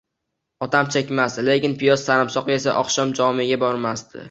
Otam chekmasdi, lekin piyoz, sarimsoq yesa oqshom jomega bormasdi.